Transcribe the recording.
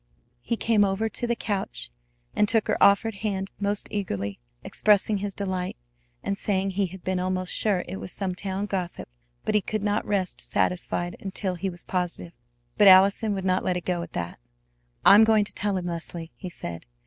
He came over to the couch, and took her offered hand most eagerly, expressing his delight, and saying he had been almost sure it was some town gossip, but he could not rest satisfied until he was positive. But Allison would not let it go at that. "I'm going to tell him, Leslie," he said.